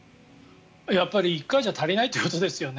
やっぱり１回じゃ足りないということですよね。